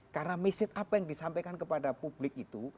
karena mesej apa yang disampaikan kepada publik itu